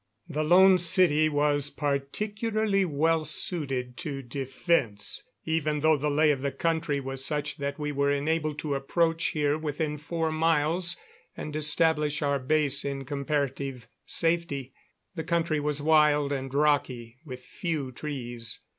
The Lone City was particularly well suited to defense, even though the lay of the country was such that we were enabled to approach here within four miles, and establish our base in comparative safety. The country was wild and rocky, with few trees.